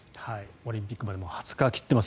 オリンピックまで２０日を切っています。